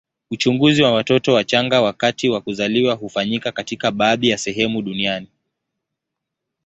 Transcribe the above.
Uchunguzi wa watoto wachanga wakati wa kuzaliwa hufanyika katika baadhi ya sehemu duniani.